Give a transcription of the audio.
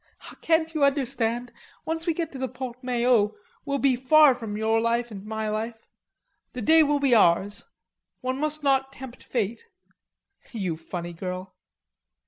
"Can't you understand? Once we get to the Porte Maillot we'll be far from your life and my life. The day will be ours. One must not tempt fate." "You funny girl."